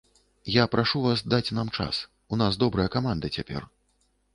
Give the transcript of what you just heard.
Я прашу вас даць нам час, у нас добрая каманда цяпер.